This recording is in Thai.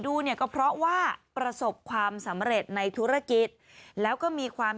ดูเนี่ยก็เพราะว่าประสบความสำเร็จในธุรกิจแล้วก็มีความ